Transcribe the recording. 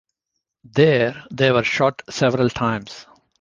There they were shot several times.